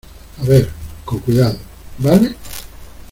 a ver, con cuidado ,¿ vale?